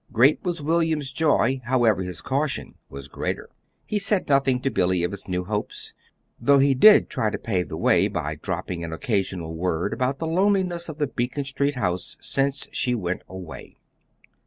Great as was William's joy, however, his caution was greater. He said nothing to Billy of his new hopes, though he did try to pave the way by dropping an occasional word about the loneliness of the Beacon Street house since she went away.